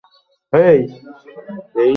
নয়টি পাতা রাশিয়া বা ইউক্রেনের কোথাও আছে।